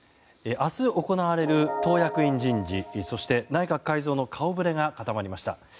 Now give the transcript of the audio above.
明日行われる党役員人事そして内閣改造の顔ぶれが固まりました。